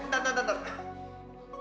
tunggu tunggu tunggu